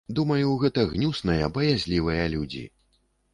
Думаю, гэта гнюсныя, баязлівыя людзі.